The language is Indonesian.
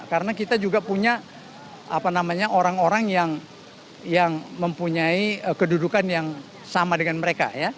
karena kita juga punya orang orang yang mempunyai kedudukan yang sama dengan mereka